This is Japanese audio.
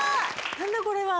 何だこれは？